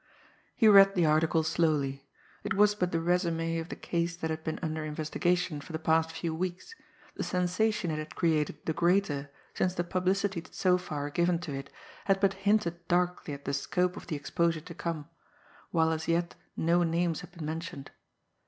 He read the article slowly. It was but the résumé of the case that had been under investigation for the past few weeks, the sensation it had created the greater since the publicity so far given to it had but hinted darkly at the scope of the exposure to come, while as yet no names had been mentioned.